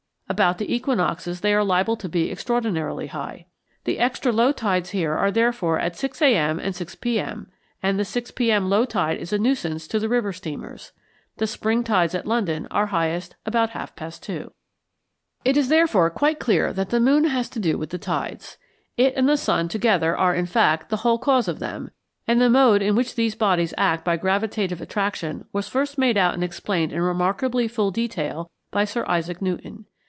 About the equinoxes they are liable to be extraordinarily high. The extra low tides here are therefore at 6 a.m. and 6 p.m., and the 6 p.m. low tide is a nuisance to the river steamers. The spring tides at London are highest about half past two. It is, therefore, quite clear that the moon has to do with the tides. It and the sun together are, in fact, the whole cause of them; and the mode in which these bodies act by gravitative attraction was first made out and explained in remarkably full detail by Sir Isaac Newton.